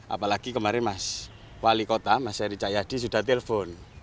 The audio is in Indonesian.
apalagi kemarin mas wali kota mas erick cak yadi sudah telpon